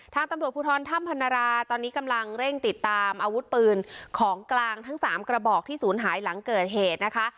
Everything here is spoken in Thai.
ทางตำรวจภูทรถ้ำพนราตอนนี้กำลังเร่งติดตามอาวุธปืนของกลางทั้งสามกระบอกที่ศูนย์หายหลังเกิดเหตุนะคะ